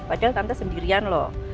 padahal tante sendirian loh